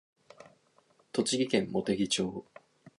栃木県茂木町